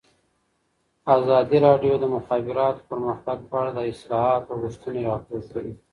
ازادي راډیو د د مخابراتو پرمختګ په اړه د اصلاحاتو غوښتنې راپور کړې.